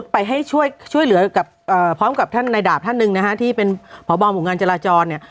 พร้อมกับท่านนายดาบท่านหนึ่งนะฮะที่เป็นผอบองบุงงานจราจรเนี่ย